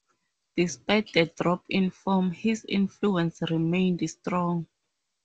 Despite the drop in form, his influence remained strong.